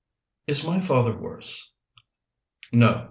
"Is my father worse?" "No.